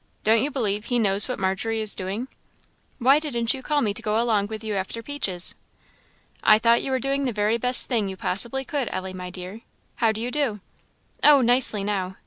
don't you believe he knows what Margery is doing? Why didn't you call me to go along with you after peaches?" "I thought you were doing the very best thing you possibly could, Ellie, my dear. How do you do?" "Oh, nicely now!